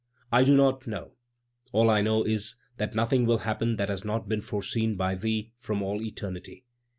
I do not know. All I know is, that nothing will happen that has not been foreseen by Thee from all eternity.